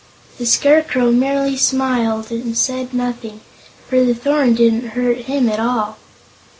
The Scarecrow merely smiled and said nothing, for the thorn didn't hurt him at all.